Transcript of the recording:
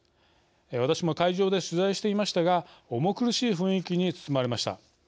私も会場で取材していましたが重苦しい雰囲気に包まれました。